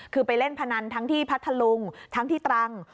คือไปเล่นพนันทั้งที่พัทธลุงทั้งที่ตรัง